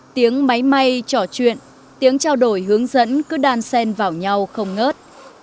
tiếng máy may trò chuyện tiếng trao đổi hướng dẫn cứ đan sen vào nhau không ngớt